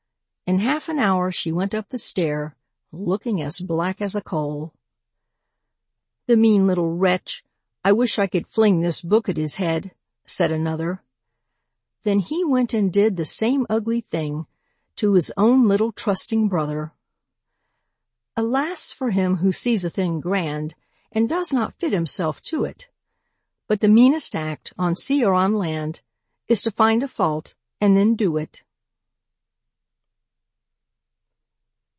In half an hour she went up the stair, Looking as black as a coal! "The mean little wretch, I wish I could fling This book at his head!" said another; Then he went and did the same ugly thing To his own little trusting brother! Alas for him who sees a thing grand And does not fit himself to it! But the meanest act, on sea or on land, Is to find a fault, and then do it!